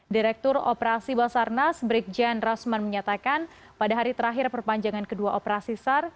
direktur operasi basar nas brigjen rosman menyatakan pada hari terakhir perpanjangan kedua operasi sar